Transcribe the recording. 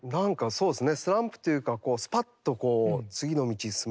そうですね。